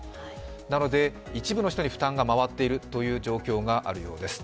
なので、一部の人に負担が回っている状況があるようです。